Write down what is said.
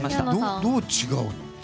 どう違うの？